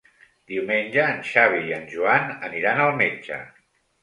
Diumenge en Xavi i en Joan aniran al metge.